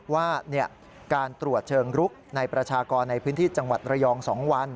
ว่าการตรวจเชิงรุกในประชากรในพื้นที่จังหวัดระยอง๒วัน